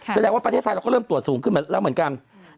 แสดงว่าประเทศไทยเราก็เริ่มตรวจสูงขึ้นแล้วเหมือนกัน